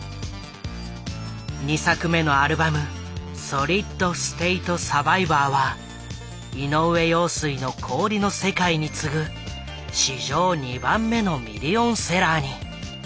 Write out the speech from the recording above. ２作目のアルバム「ソリッド・ステイト・サヴァイヴァー」は井上陽水の「氷の世界」に次ぐ史上２番目のミリオンセラーに。